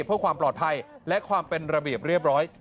เพื่อความปลอดภัยและความเป็นระเบียบเรียบร้อย